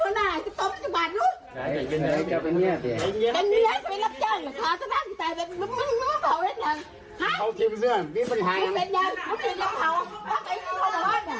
ยิ่งไปจะออกไปก่อน